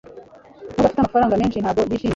Nubwo afite amafaranga menshi, ntabwo yishimye.